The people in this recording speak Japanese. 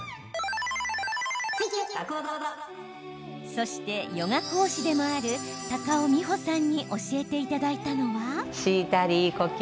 そして、ヨガ講師でもある高尾美穂さんに教えていただいたのは。